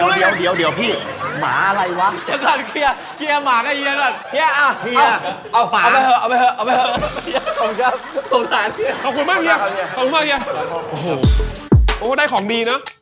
โปรดติดตามตอนต่อไป